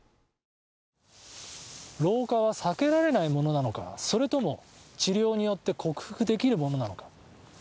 老化は避けられないものなのかそれとも治療によって克服できるものなのか。